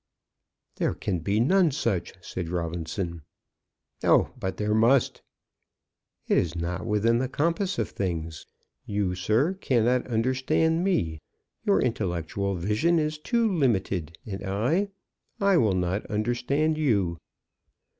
"There can be none such," said Robinson. "Oh, but there must." "It is not within the compass of things. You, sir, cannot understand me; your intellectual vision is too limited. And I, I will not understand you."